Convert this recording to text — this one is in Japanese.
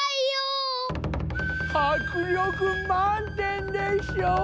はくりょくまんてんでしょ！